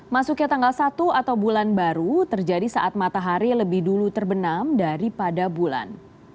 masuknya tanggal satu atau bulan baru terjadi saat matahari lebih dulu terbenam daripada bulan